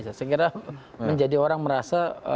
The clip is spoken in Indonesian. sekiranya menjadi orang merasa